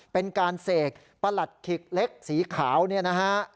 เป็นการเสกประหลัดขิกเล็กสีขาวเนี่ยนะฮะ